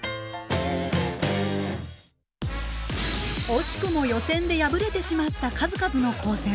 惜しくも予選で敗れてしまった数々の高専。